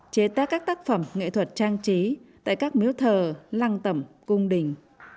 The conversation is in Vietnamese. chế tác các tác phẩm nghệ thuật trang trí tại các miếu thờ lăng tẩm cung đình